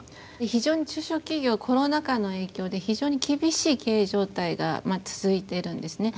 非常に中小企業コロナ禍の影響で非常に厳しい経営状態が続いてるんですね。